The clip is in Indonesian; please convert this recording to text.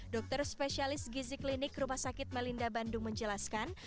dokter spesialis gizi klinik rumah sakit melinda bandung menjelaskan